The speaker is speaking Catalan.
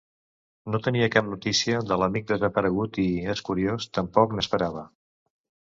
No tenia cap notícia de l'amic desaparegut i, és curiós, tampoc n'esperava.